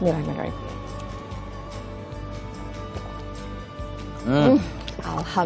boleh langsung gak pak